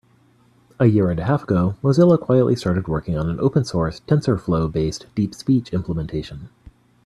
A year and a half ago, Mozilla quietly started working on an open source, TensorFlow-based DeepSpeech implementation.